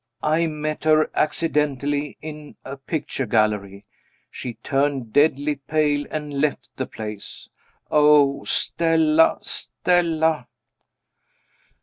I met her accidentally in a picture gallery. She turned deadly pale, and left the place. Oh, Stella! Stella!